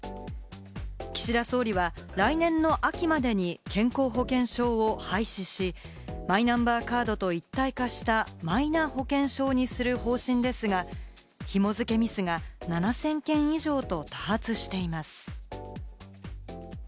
岸田総理は来年の秋までに健康保険証を廃止し、マイナンバーカードと一体化したマイナ保険証にする方針ですが、紐付けミスが７０００件以上と多発しています。